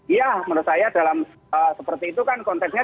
iya menurut saya dalam seperti itu kan konteksnya